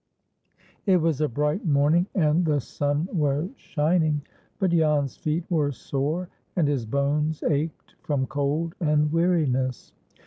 It was a bright morning, and the sun was shining; but Jan's feet were sore, and his bones ached from cold and weariness.